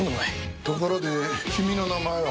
ところで君の名前は？